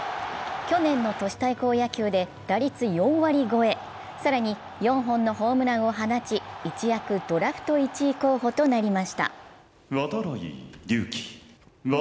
去年の都市対抗野球で打率４割超え、更に４本のホームランを放ち一躍ドラフト１位候補となりました。